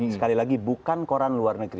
sekali lagi bukan koran luar negeri